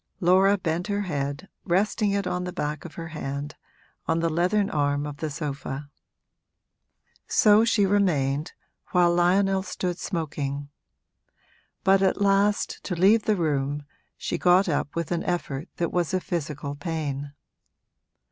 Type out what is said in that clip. Laura bent her head, resting it on the back of her hand, on the leathern arm of the sofa. So she remained, while Lionel stood smoking; but at last, to leave the room, she got up with an effort that was a physical pain.